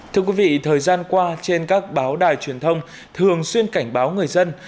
thưa quý vị thời gian qua trên các báo đài truyền thông thường xuyên cảnh báo người dân